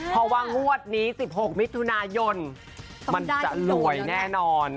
เพราะว่างวดนี้๑๖มิถุนายนมันจะรวยแน่นอน